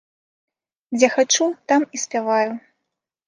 Дзе хачу, там і спяваю.